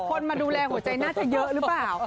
คนมาดูแลหัวใจน่าจะเยอะหรือเปล่า